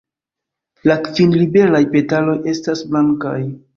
La kvin liberaj petaloj estas blankaj.